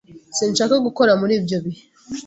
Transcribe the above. Sinshaka gukora muri ibyo bihe.